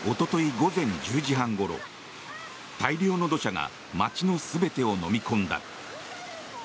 午前１０時半ごろ大量の土砂が街の全てをのみ込んだ。